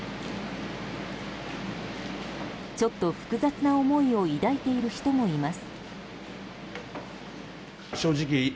ちょっと複雑な思いを抱いている人もいます。